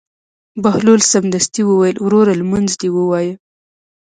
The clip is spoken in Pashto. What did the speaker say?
بهلول سمدستي وویل: وروره لمونځ دې ووایه.